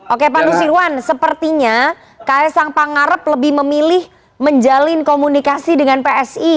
oke pak nusirwan sepertinya ks sang pangarep lebih memilih menjalin komunikasi dengan psi